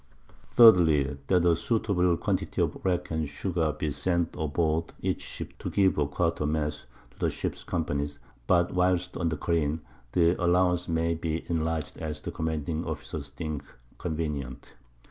_ 3dly, _That a suitable Quantity of Rack and Sugar be sent aboard each Ship, to give a Quart a Mess to the Ships Companies, but whilst on the careen, the Allowance may be enlarg'd as the commanding Officers think convenient.